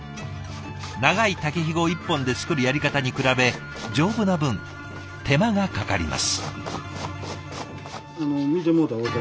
長い竹ひご１本で作るやり方に比べ丈夫な分手間がかかります。